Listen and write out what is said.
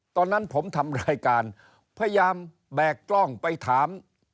ตอนนั้นผมทำรายการพยายามแบกกล้องไปถาม